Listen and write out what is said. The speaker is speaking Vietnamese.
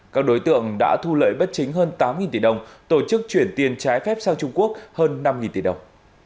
các đối tượng đã thu lợi bất chính hơn tám tỷ đồng tổ chức chuyển tiền trái phép sang trung quốc hơn năm tỷ đồng